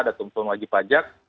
dan tuntun wajib pajak